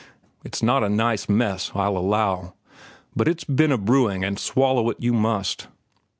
It's not a nice mess, I'll allow. But it's been a brewing and swallow it you must.